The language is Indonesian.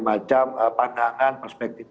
macam pandangan perspektif